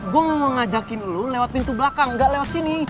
gue mau ngajakin lu lewat pintu belakang gak lewat sini